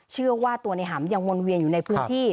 เชื่อว่าตัวในหำยังวนเวียนอยู่ในพื้นที่